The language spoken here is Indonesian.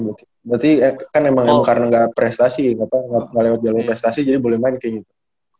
berarti kan emang karena nggak prestasi nggak lewat jalur prestasi jadi boleh main kayak gitu